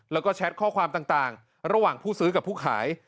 แล้วก็แชทข้อความต่างระหว่างผู้ซื้อกับผู้ขาย